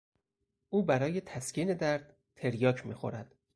او برای تسکین درد تریاک میخورد.